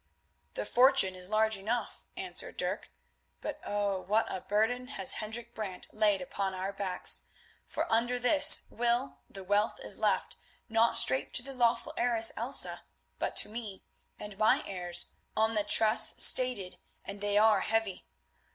"The fortune is large enough," answered Dirk. "But, oh! what a burden has Hendrik Brant laid upon our backs, for under this will the wealth is left, not straight to the lawful heiress, Elsa, but to me and my heirs on the trusts started, and they are heavy.